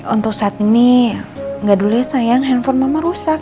untuk saat ini gak dulu ya sayang handphone mama rusak